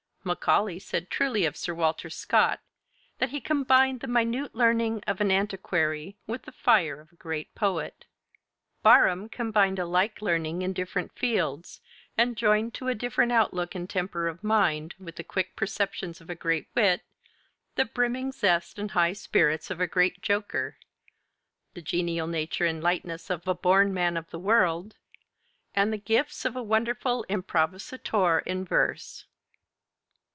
Macaulay said truly of Sir Walter Scott that he "combined the minute learning of an antiquary with the fire of a great poet." Barham combined a like learning in different fields, and joined to a different outlook and temper of mind, with the quick perceptions of a great wit, the brimming zest and high spirits of a great joker, the genial nature and lightness of a born man of the world, and the gifts of a wonderful improvisatore in verse.